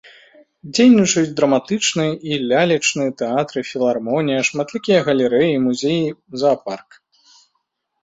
Дзейнічаюць драматычны і лялечны тэатры, філармонія, шматлікія галерэі, музеі, заапарк.